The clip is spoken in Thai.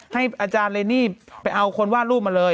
ให้อาจารย์เรนนี่ไปเอาคนวาดรูปมาเลย